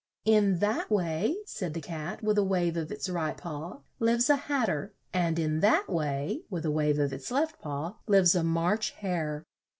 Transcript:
"In that way," said the Cat, with a wave of its right paw, "lives a Hat ter; and in that way," with a wave of its left paw, "lives a March Hare.